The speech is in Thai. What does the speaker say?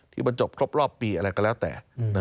ที่มันจบครบรอบปีอะไรก็แล้วแต่